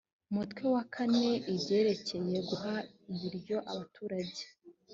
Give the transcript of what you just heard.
umutwe wa kane, ibyerekeye guha ibiryo abaturage.